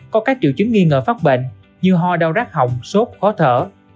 có các triệu chứng nghi ngờ phát bệnh như ho đau đác hỏng sốt khó thở